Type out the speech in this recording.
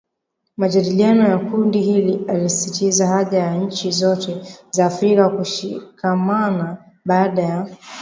majadiliano ya kundi hili alisisitiza haja ya nchi zote za Afrika kushikamana baada ya